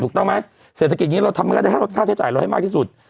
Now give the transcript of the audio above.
ถูกต้องไหมเศรษฐกิจนี้เราทำอย่างไรจะลดค่าใช้จ่ายเราให้มากที่สุด